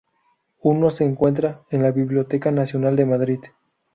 Uno se encuentra en la Biblioteca Nacional de Madrid.